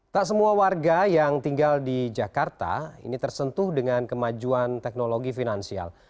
tak semua warga yang tinggal di jakarta ini tersentuh dengan kemajuan teknologi finansial